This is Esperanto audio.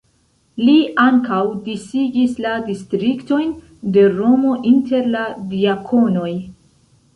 Li ankaŭ disigis la distriktojn de Romo inter la diakonoj.